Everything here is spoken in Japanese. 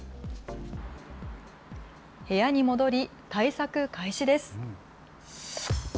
部屋に戻り、対策開始です。